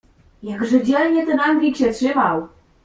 "Jakże dzielnie ten Anglik się trzymał!"